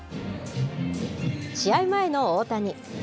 試合前の大谷。